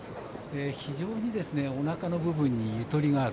非常におなかの部分にゆとりがある。